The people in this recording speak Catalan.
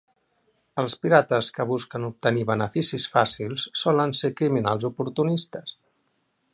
Els pirates que busquen obtenir beneficis fàcils solen ser criminals oportunistes.